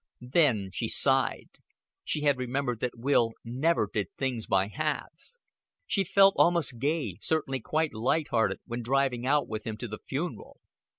Then she sighed. She had remembered that Will never did things by halves. She felt almost gay, certainly quite light hearted, when driving out with him to the funeral.